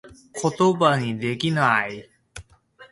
ことばにできなぁい